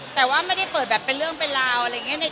แต่ว่าไม่ได้เปิดแบบเป็นเรื่องเป็นราวอะไรอย่างนี้